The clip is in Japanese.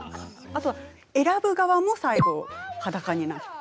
あとは選ぶ側も最後裸になって。